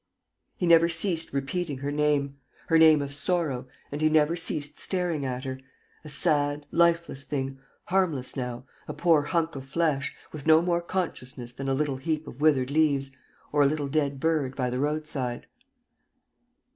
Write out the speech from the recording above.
..." He never ceased repeating her name, her name of sorrow, and he never ceased staring at her, a sad, lifeless thing, harmless now, a poor hunk of flesh, with no more consciousness than a little heap of withered leaves or a little dead bird by the roadside.